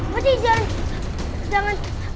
bu haji jangan